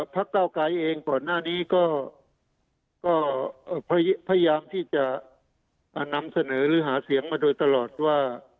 เก้าไกรเองก่อนหน้านี้ก็พยายามที่จะนำเสนอหรือหาเสียงมาโดยตลอดว่า